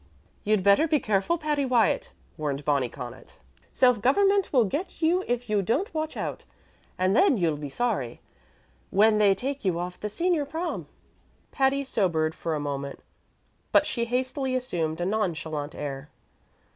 "You'd better be careful, Patty Wyatt," warned Bonnie Connaught. "Self Government will get you if you don't watch out, and then you'll be sorry when they take you off the Senior Prom." Patty sobered for a moment, but she hastily assumed a nonchalant air.